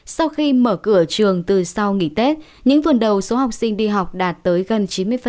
sau khi mở cửa trường từ sau nghỉ tết những vườn đầu số học sinh đi học đạt tới gần chín mươi